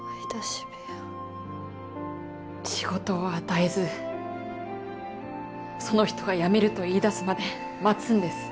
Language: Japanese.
仕事を与えずその人が辞めると言いだすまで待つんです。